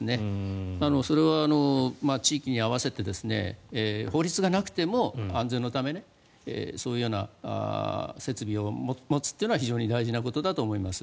それは地域に合わせて法律がなくても安全のためにそういう設備を持つというのは非常に大事なことだと思います。